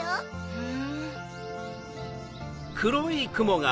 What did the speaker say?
ふん。